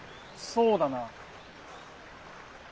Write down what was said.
そうだなあ。